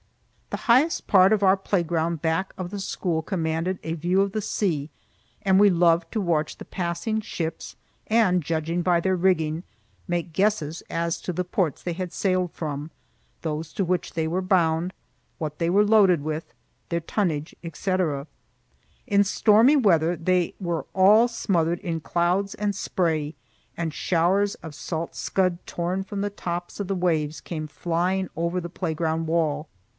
The highest part of our playground back of the school commanded a view of the sea, and we loved to watch the passing ships and, judging by their rigging, make guesses as to the ports they had sailed from, those to which they were bound, what they were loaded with, their tonnage, etc. In stormy weather they were all smothered in clouds and spray, and showers of salt scud torn from the tops of the waves came flying over the playground wall.